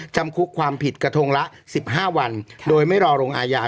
จำคุกความผิดกระทงละ๑๕วันโดยไม่รอลงอาญา